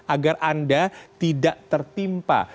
agar anda tidak tertimpa